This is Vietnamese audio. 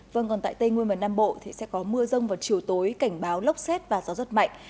vâng còn tại tây nguyên và nam bộ thì sẽ có mưa rông vào chiều tối cảnh báo lốc xét và gió rất mạnh